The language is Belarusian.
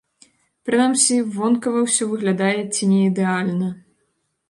Прынамсі, вонкава ўсё выглядае ці не ідэальна.